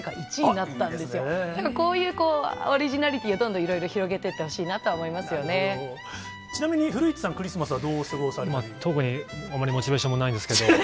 なんかこういう、オリジナリティーをどんどんいろいろ広げていってほしいなと思いちなみに、古市さん、特にあまりモチベーションもないんですけど。